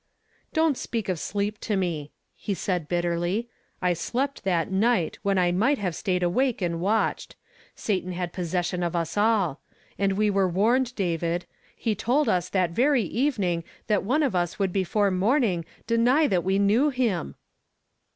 " Don't speak of sleep to me, " he said bitterly; "I slept that night, when I might have stayed awake and watched. Satan had possession of us alll And we were warned, David; he told us that very evening that one of us would before morning deny that we knew him!"